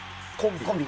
コンビ？